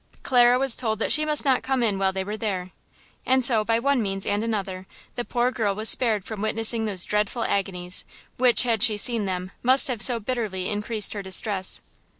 Clara was told that she must not come in while they were there. And so, by one means and another, the poor girl was spared from witnessing those dreadful agonies which, had she seen them, must have so bitterly increased her distress.